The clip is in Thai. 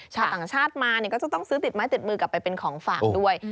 ชาวต่างชาติมาเนี่ยก็จะต้องซื้อติดไม้ติดมือกลับไปเป็นของฝากด้วย